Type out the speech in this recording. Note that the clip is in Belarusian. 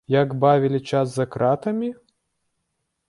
Як бавілі час за кратамі?